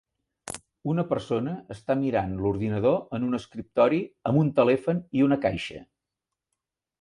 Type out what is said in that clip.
Una persona està mirant l'ordinador en un escriptori amb un telèfon i una caixa.